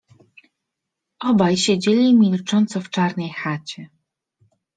Obaj siedzieli milcząco w czarnej chacie.